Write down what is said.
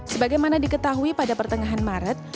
sebagai mana diketahui pada pertengahan maret